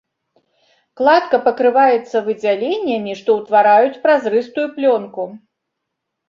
Кладка пакрываецца выдзяленнямі, што ўтвараюць празрыстую плёнку.